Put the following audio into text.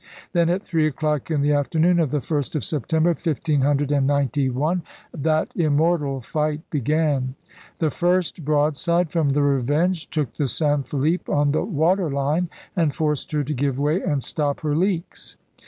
Then, at three o'clock in the afternoon of the 1st of September, 1591, that im mortal fight began. The first broadside from the Revenge took the San Felipe on the water line and forced her to give way and stop her leaks.